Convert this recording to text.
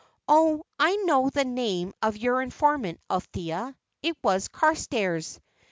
Oh, I know the name of your informant, Althea; it was Carstairs!